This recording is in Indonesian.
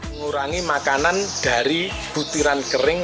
mengurangi makanan dari butiran kering